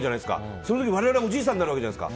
その時、我々は、おじいさんになるわけじゃないですか。